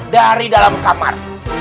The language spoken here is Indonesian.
dari dalam kamar